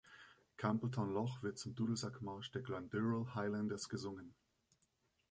Campbeltown Loch wird zum Dudelsackmarsch „The Glendaruel Highlanders“ gesungen.